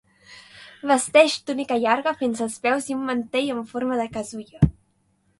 Vesteix túnica llarga fins als peus i un mantell en forma de casulla.